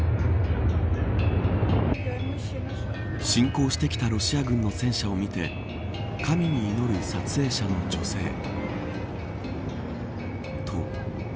侵攻してきたロシア軍の戦車を見て神に祈る撮影者の女性。